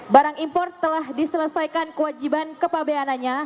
barang impor telah diselesaikan kewajiban kepabeanannya